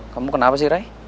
kamu kenapa sih ray